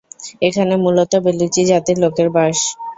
এখানে মূলত বেলুচি জাতির লোকের বাস।